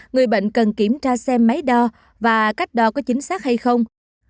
người bệnh cần kiểm tra xem máy đo và cách đo có chính xác hay không